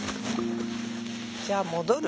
じゃあ戻る？